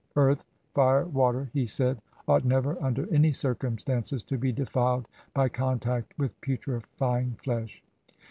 Earth, fire, water, he said, ought never, under any circumstances, to be defiled by contact with putrefying flesh.